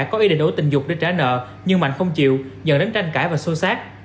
có ý định đối tình dục để trả nợ nhưng mạnh không chịu dần đánh tranh cãi và xô xác